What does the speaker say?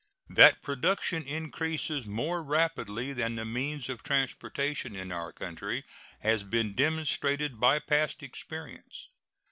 That production increases more rapidly than the means of transportation in our country has been demonstrated by past experience.